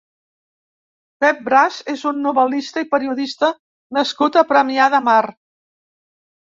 Pep Bras és un novel·lista i periodista nascut a Premià de Mar.